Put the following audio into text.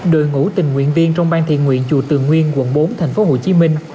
đội ngũ tình nguyện viên trong bang thiện nguyện chùa tường nguyên quận bốn thành phố hồ chí minh